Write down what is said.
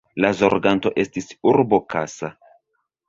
La zorganto estis urbo Kassa.